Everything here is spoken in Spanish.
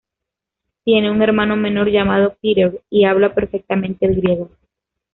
Tiene un hermano menor llamado Peter y habla perfectamente el griego.